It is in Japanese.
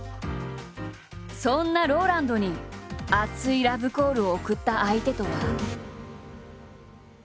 そんなＲＯＬＡＮＤに熱いラブコールを送った相手とは。